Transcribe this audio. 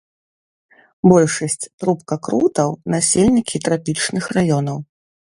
Большасць трубкакрутаў насельнікі трапічных раёнаў.